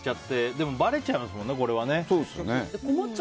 でも、ばれちゃいますもんね。